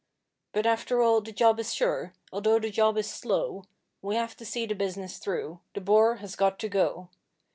But after all the job is sure, although the job is slow, We have to see the business through, the Boer has got to go.